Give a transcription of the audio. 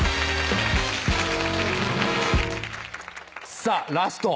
さあラスト。